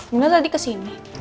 nino tadi kesini